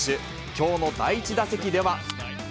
きょうの第１打席では。